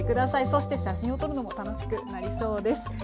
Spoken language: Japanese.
そして写真を撮るのも楽しくなりそうです。